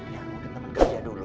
ya mungkin teman kerja dulu